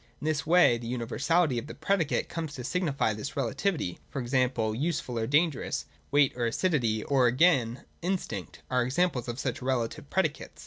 In this way the universality of the predicate comes to signify this relativity — (e. g. useful, or dangerous ; weight or acidity ; or again, in stinct ; are examples of such relative predicates).